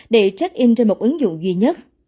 để check in trên một ứng dụng duy nhất